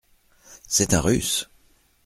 C’est un Russe !